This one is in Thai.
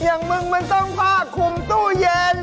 อย่างมึงมันต้องผ้าคุมตู้เย็น